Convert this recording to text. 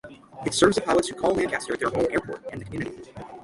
It serves the pilots who call Lancaster their home airport and the community.